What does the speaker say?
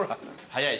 はい。